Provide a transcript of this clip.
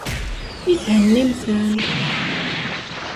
I thennim-ten?